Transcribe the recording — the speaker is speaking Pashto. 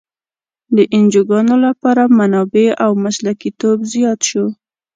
د انجوګانو لپاره منابع او مسلکیتوب زیات شو.